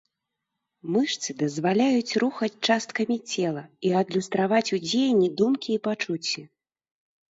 Мышцы дазваляюць рухаць часткамі цела і адлюстраваць у дзеянні думкі і пачуцці.